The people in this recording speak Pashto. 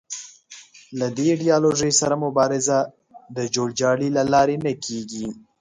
له دې ایدیالوژۍ سره مبارزه د جوړ جاړي له لارې نه کېږي